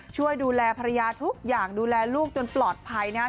ช่วยดูแลภรรยาทุกอย่างดูแลลูกจนปลอดภัยนะฮะ